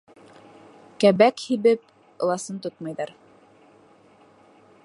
Кәбәк һибеп, ыласын тотмайҙар.